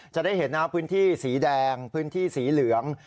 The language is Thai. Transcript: จะได้เห็นนะพื้นที่สีแดงพื้นที่สีเหลือง